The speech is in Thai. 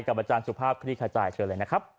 อาจารย์สุภาพคลี่ขจายเชิญเลยนะครับ